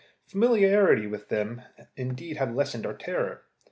Familiarity with them indeed had lessened our terror.